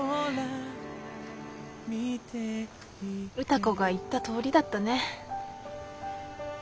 歌子が言ったとおりだったね。